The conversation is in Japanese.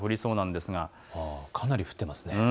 かなり降っています。